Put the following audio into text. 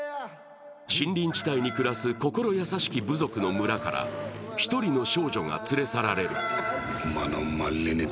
森林地帯に暮らす心優しき部族の村から１人の少女が連れ去られる。